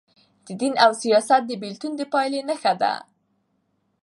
د دین او سیاست د بیلتون پایلي نهه دي.